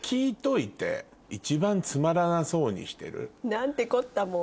何てこったもう。